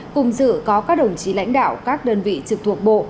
cùng dự có các đồng chí lãnh đạo các đơn vị trực thuộc bộ